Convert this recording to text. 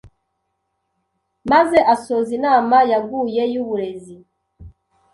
maze asoza inama yaguye y’uburezi